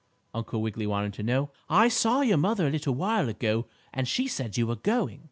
Uncle Wiggily wanted to know. "I saw your mother a little while ago, and she said you were going."